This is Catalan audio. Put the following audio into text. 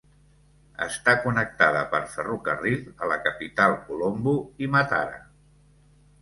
Està connectada per ferrocarril a la capital, Colombo i Matara.